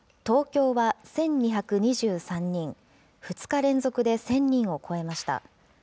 東京は１２２３人、２日連続で１０００人を超えました。